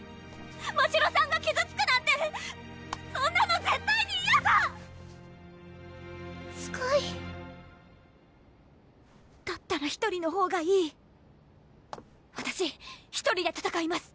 ましろさんが傷つくなんてそんなの絶対に嫌だスカイだったら１人のほうがいいわたし１人で戦います！